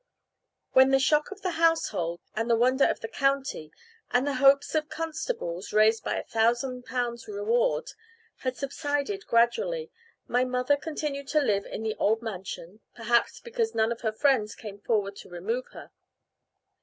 When the shock of the household, and the wonder of the county, and the hopes of constables (raised by a thousand pounds' reward) had subsided gradually, my mother continued to live in the old mansion, perhaps because none of her friends came forward to remove her.